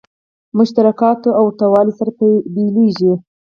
مشترکاتو او ورته والو سره بېلېږي.